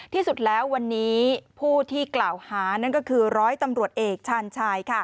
ที่สุดแล้ววันนี้ผู้ที่กล่าวหานั่นก็คือร้อยตำรวจเอกชาญชาย